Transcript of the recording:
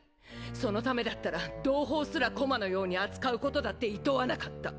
そのためだったら同胞すら駒のように扱うことだって厭わなかった。